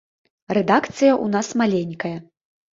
Рэдакцыя ў нас маленькая.